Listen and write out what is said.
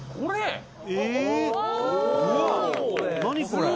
「これ！？」